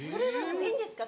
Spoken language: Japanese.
いいんですか？